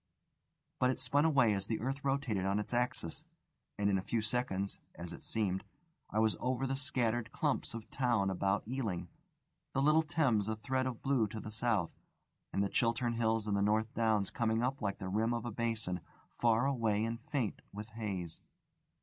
But it spun away as the earth rotated on its axis, and in a few seconds (as it seemed) I was over the scattered clumps of town about Ealing, the little Thames a thread of blue to the south, and the Chiltern Hills and the North Downs coming up like the rim of a basin, far away and faint with haze.